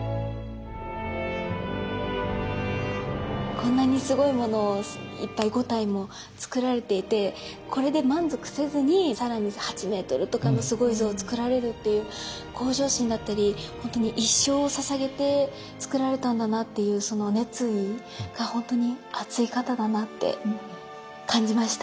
こんなにすごいものをいっぱい５体もつくられていてこれで満足せずに更に８メートルとかのすごい像をつくられるっていう向上心だったりほんとに一生をささげてつくられたんだなっていうその熱意がほんとに熱い方だなって感じました。